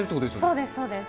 そうです、そうです。